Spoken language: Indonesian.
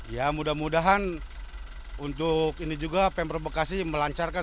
ya mudah mudahan untuk ini juga pemprov bekasi melancarkan